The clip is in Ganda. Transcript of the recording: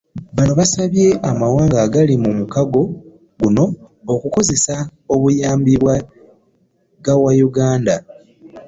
Bano baasabye amawanga agali mu mukago guno okukozesa obuyambi bwe gawa Uganda